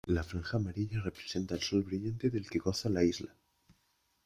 La franja amarilla representa el sol brillante del que goza la isla.